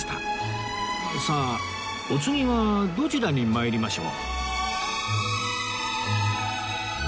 さあお次はどちらに参りましょう？